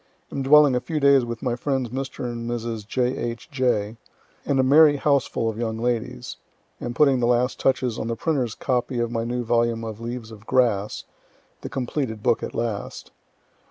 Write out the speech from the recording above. Am dwelling a few days with my friends Mr. and Mrs. J. H. J., and a merry houseful of young ladies. Am putting the last touches on the printer's copy of my new volume of "Leaves of Grass" the completed book at last.